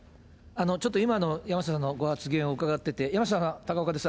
ちょっと今の山下さんのご発言を伺ってて、山下さん、高岡です。